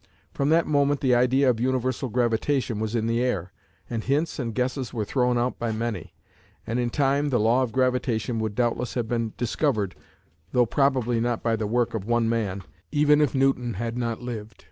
From that moment the idea of universal gravitation was in the air, and hints and guesses were thrown out by many; and in time the law of gravitation would doubtless have been discovered, though probably not by the work of one man, even if Newton had not lived.